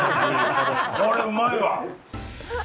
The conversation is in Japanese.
これ、うまいわ。